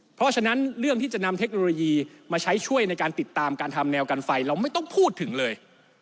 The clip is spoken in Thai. เพราะฉะนั้นเรื่องที่จะนำเทคโนโลยีมาใช้ช่วยในการติดตามการทำแนวกันไฟเราไม่ต้องพูดถึงเลย